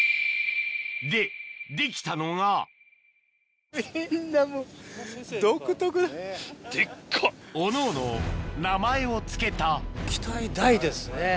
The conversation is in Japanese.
でできたのがおのおの名前を付けた期待大ですね。